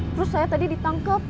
terus saya tadi ditangkep